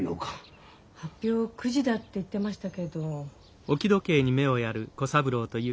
発表９時だって言ってましたけど。